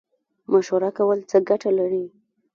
مشوره کول څه ګټه لري؟